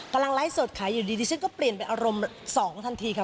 ไลฟ์สดขายอยู่ดีดิฉันก็เปลี่ยนเป็นอารมณ์๒ทันทีค่ะ